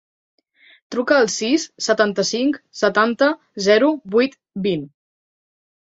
Truca al sis, setanta-cinc, setanta, zero, vuit, vint.